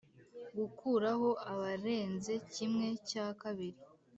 gukuraho abarenze kimwe cya kabiri